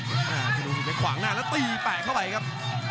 โอ้โหธนูสึกเล็กขวางหน้าแล้วตีแปะเข้าไปครับ